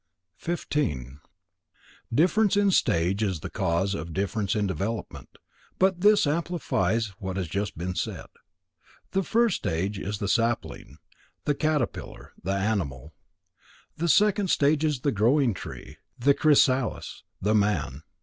15. Difference in stage is the cause of difference in development. This but amplifies what has just been said. The first stage is the sapling, the caterpillar, the animal. The second stage is the growing tree, the chrysalis, the man.